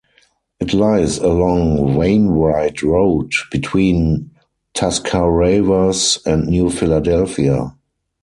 It lies along Wainwright Road, between Tuscarawas and New Philadelphia.